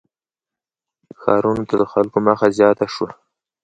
• ښارونو ته د خلکو مخه زیاته شوه.